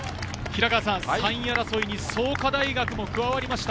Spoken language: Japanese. ３位争いに創価大学も加わりました。